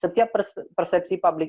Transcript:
setiap persepsi publik